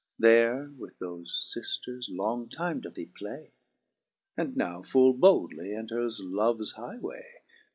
There with thofe fiflers long time doth he play. And now full boldly enters loves highway.